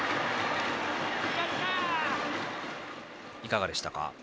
いかがでしたか？